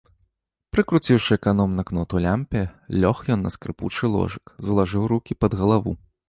Прыкруціўшы эканомна кнот у лямпе, лёг ён на скрыпучы ложак, залажыў рукі пад галаву.